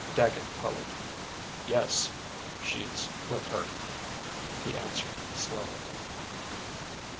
Dagget colored. "Yes, she's with her," he answered, slowly.